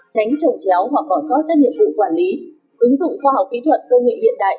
tránh trồng chéo hoặc bỏ sót các nhiệm vụ quản lý ứng dụng khoa học kỹ thuật công nghệ hiện đại